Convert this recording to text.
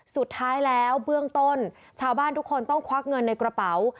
สุดท้ายแล้วเบื้องต้นชาวบ้านทุกคนต้องควักเงินในกระเป๋า